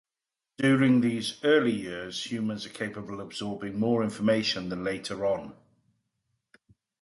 During these early years, humans are capable of absorbing more information than later on.